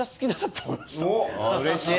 うれしい！